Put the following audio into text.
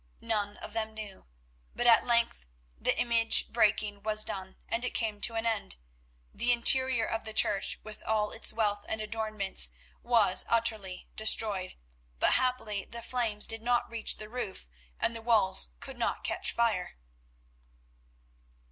None of them knew, but at length the image breaking was done, and it came to an end. The interior of the church, with all its wealth and adornments, was utterly destroyed, but happily the flames did not reach the roof, and the walls could not catch fire.